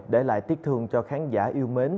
để lại tiếc thương cho khán giả yêu mến